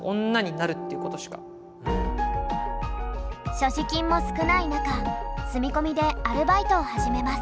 所持金も少ない中住み込みでアルバイトを始めます。